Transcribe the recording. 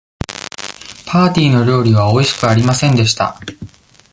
パーティーの料理はおいしくありませんでした。